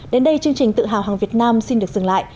đến đây chương trình tự hào hàng việt nam xin được dừng lại